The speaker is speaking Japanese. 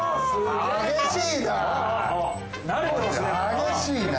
激しいな。